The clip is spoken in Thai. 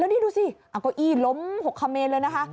แล้วนี่ดูสิก็อีหลม๖เคมเลยนะคะ